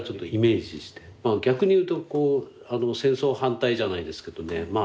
逆にいうと戦争反対じゃないですけどね